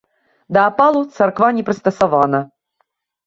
Да апалу царква не прыстасавана.